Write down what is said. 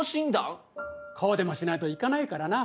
こうでもしないと行かないからなドンは。